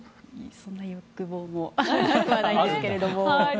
そんな欲望もなくはないですけど。